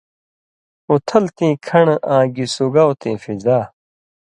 اُتھل تیں کھن٘ڑ آں گی سُگاؤ تیں فضا